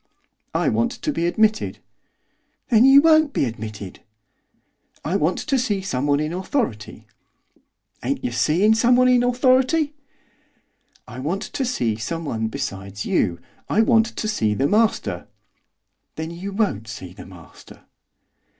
'I want to be admitted.' 'Then you won't be admitted!' 'I want to see someone in authority.' 'Ain't yer seein' someone in authority?' 'I want to see someone besides you, I want to see the master.' 'Then you won't see the master!